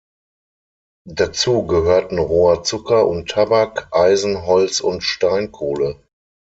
Dazu gehörten roher Zucker und Tabak, Eisen, Holz und Steinkohle.